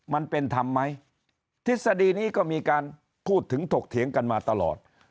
มันเป็นธรรมไหมทฤษฎีนี้ก็มีการพูดถึงถกเถียงกันมาตลอด